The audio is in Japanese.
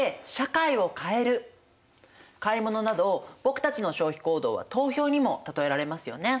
買い物など僕たちの消費行動は投票にも例えられますよね。